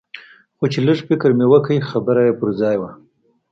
خو چې لږ فکر مې وکړ خبره يې پر ځاى وه.